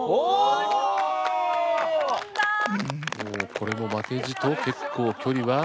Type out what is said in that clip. これも負けじと結構距離は。